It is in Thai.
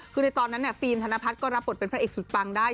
คือในตอนนั้นฟิล์มธนพัฒน์ก็รับบทเป็นพระเอกสุดปังได้